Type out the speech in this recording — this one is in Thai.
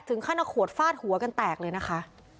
ขั้นเอาขวดฟาดหัวกันแตกเลยนะคะ